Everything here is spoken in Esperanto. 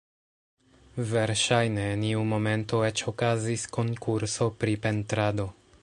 Verŝajne en iu momento eĉ okazis konkurso pri pentrado.